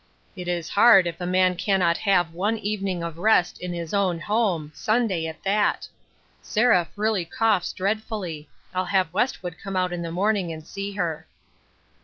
It is hard if a man cannot have one evening of rest in his own home, Sunday at that. Seraph really coughs dreadfully. I'll have Westwood come out in the morning and see her."